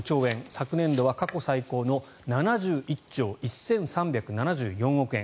昨年度は過去最高の７１兆１３７４億円。